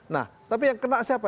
nah tapi yang kena siapa